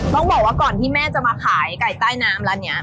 ต้องบอกว่าก่อนที่แม่จะมาขายไก่ใต้น้ำร้านนี้